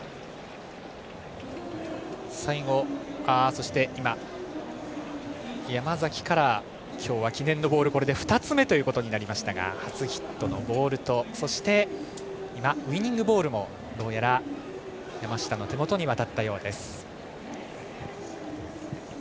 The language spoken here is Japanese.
そして今、山崎から今日は記念のボールがこれで２つ目となりましたが初ヒットのボールとそしてウイニングボールもどうやら、山下の手元に渡ったようです。